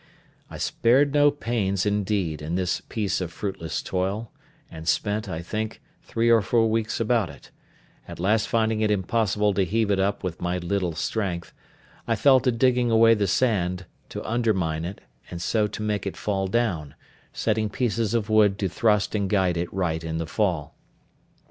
I spared no pains, indeed, in this piece of fruitless toil, and spent, I think, three or four weeks about it; at last finding it impossible to heave it up with my little strength, I fell to digging away the sand, to undermine it, and so to make it fall down, setting pieces of wood to thrust and guide it right in the fall.